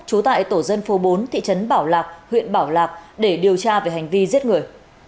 trú tại tổ dân phố bốn thị trấn bảo lạc huyện bảo lạc để điều tra về hành vi giết người